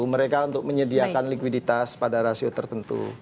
mereka untuk menyediakan likuiditas pada rasio tertentu